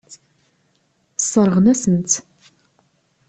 Sseṛɣen-asen-tt.